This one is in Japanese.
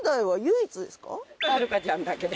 はるかちゃんだけで。